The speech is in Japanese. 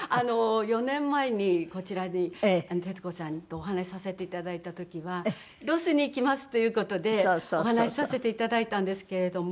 ４年前にこちらに徹子さんとお話しさせて頂いた時はロスに行きますという事でお話しさせて頂いたんですけれども。